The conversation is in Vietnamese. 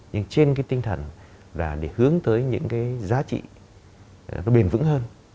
nhưng trên cái tinh thần là để hướng tới những cái giá trị nó bền vững hơn